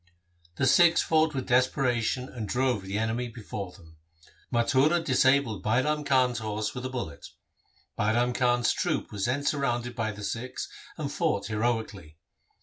The Sikhs fought with desperation and drove the enemy before them. Mathura disabled Bairam Khan's horse with a bullet. Bairam Khan's troop was then surrounded by the Sikhs and fought heroically.